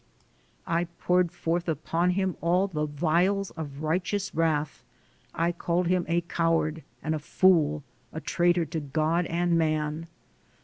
I poured forth upon him all the vials of righteous wrath; I called him a coward and a fool, a traitor to God and man.